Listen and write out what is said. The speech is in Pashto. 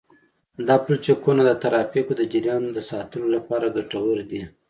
دا پلچکونه د ترافیکو د جریان د ساتلو لپاره ګټور دي